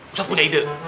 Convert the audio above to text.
ustadz punya ide